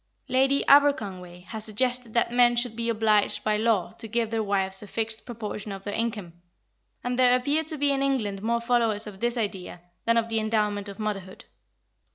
Lady Aberconway has suggested that men should be obliged by law to give their wives a fixed proportion of their incomes, and there appear to be in England more followers of this idea than of the endowment of motherhood.